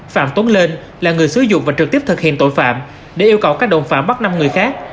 phạm tuấn lên là người sử dụng và trực tiếp thực hiện tội phạm để yêu cầu các đồng phạm bắt năm người khác